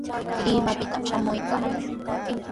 Limaqpitami shamuykaa.